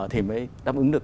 thì mới đáp ứng được